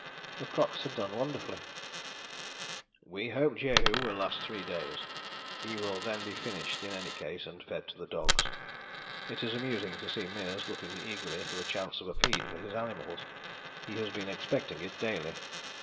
The crocks had done wonderfully: "We hope Jehu will last three days; he will then be finished in any case and fed to the dogs. It is amusing to see Meares looking eagerly for the chance of a feed for his animals; he has been expecting it daily.